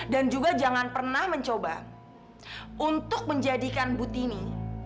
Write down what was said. dan juga jangan pernah mencoba untuk menjadikan butini